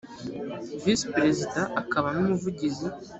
visi perezida akaba n umuvugizi